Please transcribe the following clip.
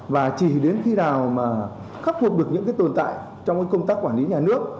và chỉ đến khi nào mà khắc phục được những tồn tại trong công tác quản lý nhà nước